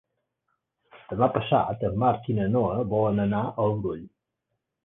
Demà passat en Marc i na Noa volen anar al Brull.